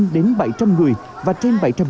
điều này có thể giúp đỡ đoàn khách